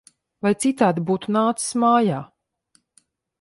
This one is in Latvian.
Vai citādi būtu nācis mājā!